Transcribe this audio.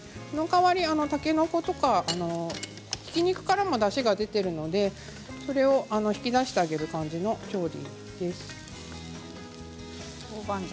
その代わり、たけのことかひき肉からもだしが出ているのでそれを引き出してあげる感じの調理です。